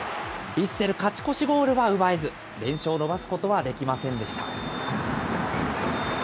ヴィッセル、勝ち越しゴールは奪えず、連勝を伸ばすことはできませんでした。